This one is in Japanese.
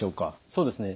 そうですね。